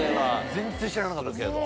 全然知らなかったです。